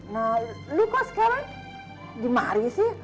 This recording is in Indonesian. nah lu kok sekarang di mari sih